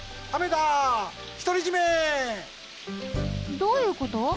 どういうこと？